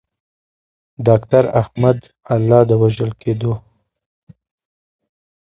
داکتر احمد الله د وژل کیدو.